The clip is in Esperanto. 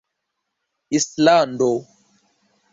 islando